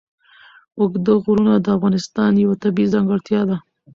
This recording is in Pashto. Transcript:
اوږده غرونه د افغانستان یوه طبیعي ځانګړتیا ده.